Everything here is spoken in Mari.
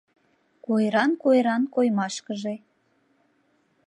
Куэран-куэран коймашкыже